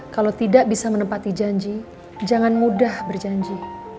kalau tidak bisa menempati janji jangan mudah berjanji